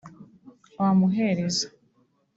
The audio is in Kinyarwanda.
wamuhereza